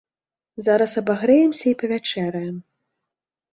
Зараз абагрэемся і павячэраем.